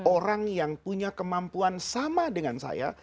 orang yang punya kemampuan sama dengan saya